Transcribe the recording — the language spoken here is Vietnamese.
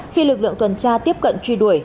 khi lực lượng tuần tra tiếp cận truy đuổi